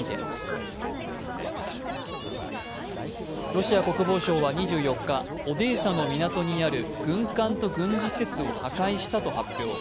ロシア国防相は２４日、オデーサの港にある軍艦と軍事施設を破壊したと発表。